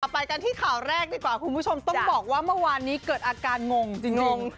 ไปกันที่ข่าวแรกดีกว่าคุณผู้ชมต้องบอกว่าเมื่อวานนี้เกิดอาการงงจริงงง